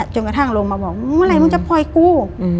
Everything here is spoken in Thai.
จนกระทั่งลงมาบอกมึงเมื่อไหมึงจะปล่อยกู